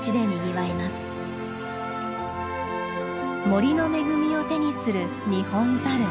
森の恵みを手にするニホンザル。